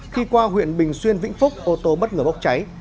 khi qua huyện bình xuyên vĩnh phúc ô tô bất ngờ bốc cháy